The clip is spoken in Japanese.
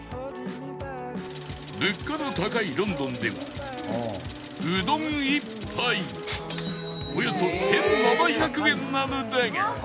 物価の高いロンドンではうどん１杯およそ１７００円なのだが